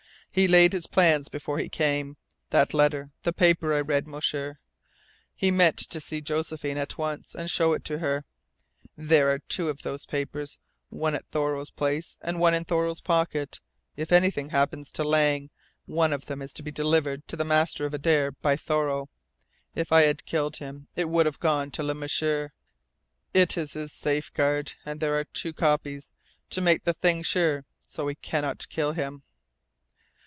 He laid his plans before he came. That letter, the paper I read, M'sieur! He meant to see Josephine at once, and show it to her. There are two of those papers: one at Thoreau's place and one in Thoreau's pocket. If anything happens to Lang, one of them is to be delivered to the master of Adare by Thoreau. If I had killed him it would have gone to Le M'sieur. It is his safeguard. And there are two copies to make the thing sure. So we cannot kill him.